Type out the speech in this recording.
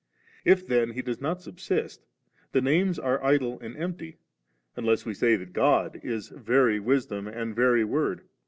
If then He does not subsist, the names are idle and empty, unless we say that God is Very Wisdom* and Very Word.